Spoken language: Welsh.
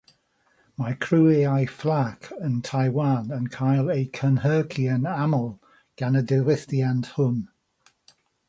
Mae criwiau fflach yn Taiwan yn cael eu cynhyrchu'n aml gan y diwylliant hwn.